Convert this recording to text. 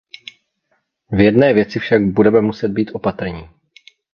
V jedné věci však budeme muset být opatrní.